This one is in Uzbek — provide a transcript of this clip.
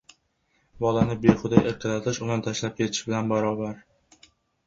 • Bolani bexuda erkalatish uni tashlab ketish bilan barobar.